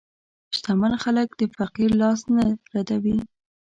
شتمن خلک د فقیر لاس نه ردوي.